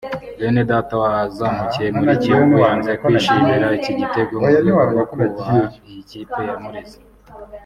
Benedata wazamukiye muri Kiyovu yanze kwishimira iki gitego mu rwego rwo kubaha iyi kipe yamureze